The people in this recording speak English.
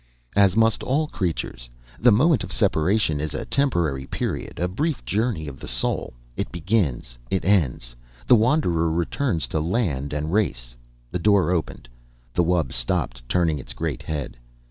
"As must all creatures. The moment of separation is a temporary period, a brief journey of the soul. It begins, it ends. The wanderer returns to land and race...." The door opened. The wub stopped, turning its great head.